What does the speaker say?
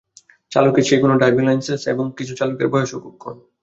চালকের নেই কোনো ড্রাইভিং লাইসেন্স এবং কিছু চালকের বয়সও খুব কম।